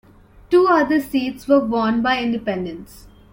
Two other seats were won by independents.